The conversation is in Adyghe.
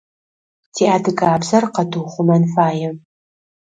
Ти адыгабзэр къэтыухъумэн фае